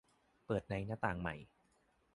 เปิดในหน้าต่างใหม่